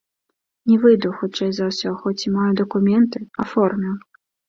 Не выйду, хутчэй за ўсё, хоць і маю дакументы, аформіў.